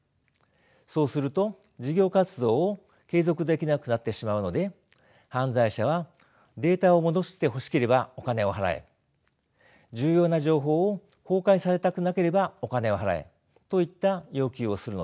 そうすると事業活動を継続できなくなってしまうので犯罪者は「データを戻してほしければお金を払え」「重要な情報を公開されたくなければお金を払え」といった要求をするのです。